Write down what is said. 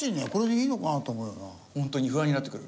本当に不安になってくる。